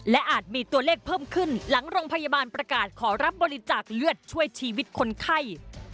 และอาจมีตัวเลขเพิ่มขึ้นหลังโรงพยาบาลประกาศขอรับบริจาคเลือดช่วยชีวิตคนไข้